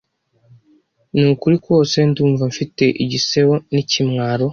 Ni ukuri kose ndumva mfite igisebo n’ ikimwaro,